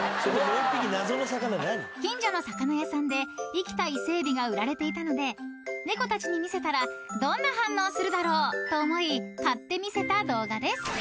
［近所の魚屋さんで生きた伊勢エビが売られていたので猫たちに見せたらどんな反応するだろうと思い買って見せた動画です］